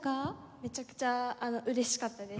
めちゃくちゃ嬉しかったです。